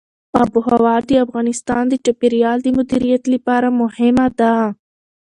آب وهوا د افغانستان د چاپیریال د مدیریت لپاره ده.